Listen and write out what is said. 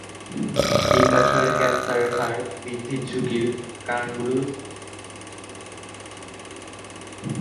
ডিম্বাশয়ের ক্যান্সারের হার বৃদ্ধির ঝুঁকির কারণগুলি সমকামী মহিলাদের মধ্যে নেই বললেই চলে।